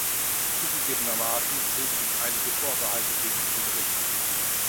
Zugegebenermaßen hege ich einige Vorbehalte gegen diesen Bericht.